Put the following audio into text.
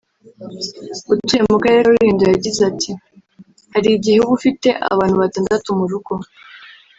utuye mu Karere ka Rulindo yagize ati“Hari igihe uba ufite abantu batandatu mu rugo